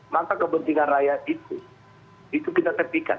maka kepentingan raya itu itu kita tepikan